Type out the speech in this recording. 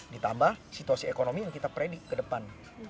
ditambah situasi ekonomi yang kita predik ke depan